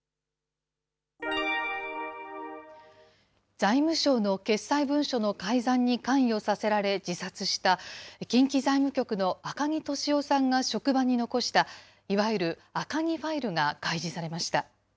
財務省の決裁文書の改ざんに関与させられ自殺した、近畿財務局の赤木俊夫さんが職場に残した、いわゆる赤木ファイルが開示されました。